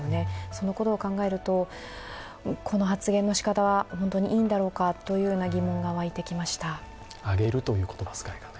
そのことを考えると、この発言のしかたは本当にいいんだろうかという疑問がわいてきました。